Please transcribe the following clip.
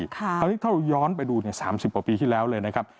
คราวนี้ถ้าเราย้อนไปดู๓๐กว่าปีที่แล้วเลยนะครับ